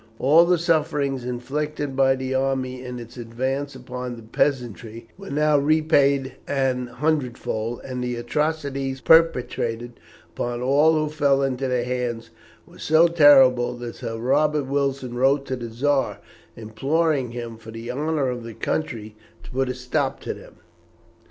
All the sufferings inflicted by the army in its advance upon the peasantry were now repaid an hundredfold, and the atrocities perpetrated upon all who fell into their hands were so terrible that Sir Robert Wilson wrote to the Czar, imploring him for the honour of the country to put a stop to them.